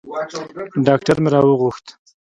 ډاکتر مې راوغوښت.